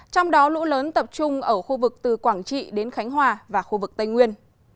trong đó lũ lớn tập trung ở khu vực từ quảng trị đến khánh hòa và khu vực tây nguyên